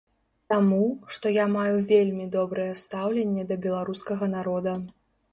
Таму, што я маю вельмі добрае стаўленне да беларускага народа.